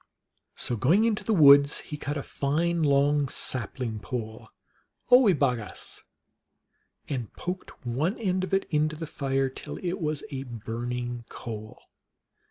So, going into the woods, he cut a fine long sapling pole of oio bo goos, and poked one end of it into the fire till it was a burning coal.